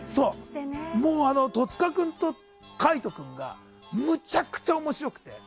戸塚君と海人君がむちゃくちゃ面白くて。